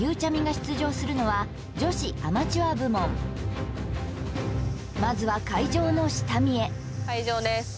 出場するのはまずは会場の下見へ会場です